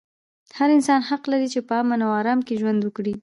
هر انسان حق لري چې په امن او ارام کې ژوند وکړي.